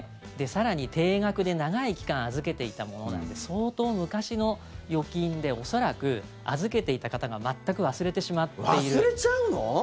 更に定額で長い期間、預けていたものなんで相当昔の預金で恐らく、預けていた方が忘れちゃうの？